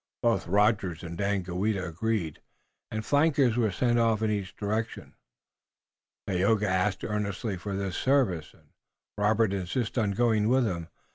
Both Rogers and Daganoweda agreed, and flankers were sent off in each direction. Tayoga asked earnestly for this service, and Robert insisted on going with him.